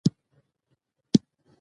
که علم په پښتو وي، نو جهالت کم وي.